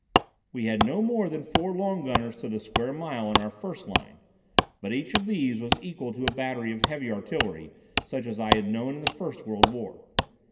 We had no more than four long gunners to the square mile in our first line, but each of these was equal to a battery of heavy artillery such as I had known in the First World War.